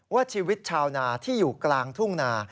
ว่าชีวิตชาวนาที่อยู่กลางทุ่งนา